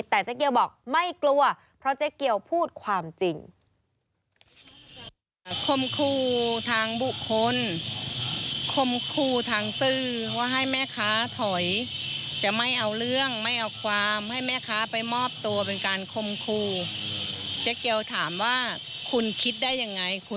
แต่เจ๊เกียวบอกไม่กลัวเพราะเจ๊เกียวพูดความจริง